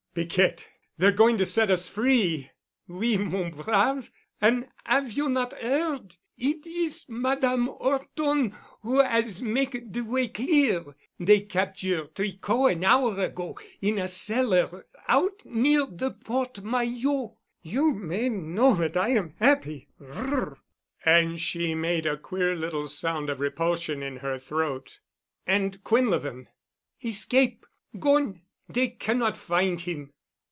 "Piquette! They're going to set us free!" "Oui, mon brave. An' 'ave you not 'eard? It is Madame 'Orton who 'as make de way clear? Dey capture' Tricot an hour ago in a cellar out near de Porte Maillot. You may know dat I am 'appy. Gr——!" And she made a queer little sound of repulsion in her throat. "And Quinlevin?" "Escape'—gone! Dey cannot find him."